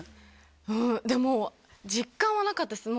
うんでも実感はなかったです